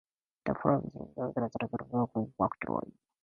The film ends with Isa starting to work in a new factory.